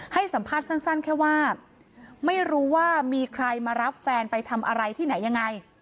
ให้สัมภาษณ์สั้นแค่ว่าไม่รู้ว่ามีใครมารับแฟนไปทำอะไรที่ไหนยังไง